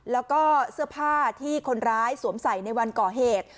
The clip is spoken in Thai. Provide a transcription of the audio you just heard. แล้วก็เสื้อผ้าที่คนร้ายสวมใส่ในวันก่อเหตุ